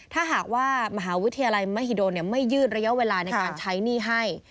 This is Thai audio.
ถ้าหากว่ามหาวิทยาลัยมหิดลไม่ยืดระยะเวลาในการใช้หนี้ให้